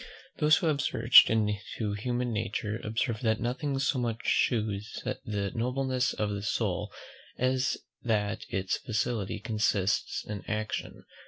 Those who have searched into human nature, observe that nothing so much shews the nobleness of the soul as that its felicity consists in action.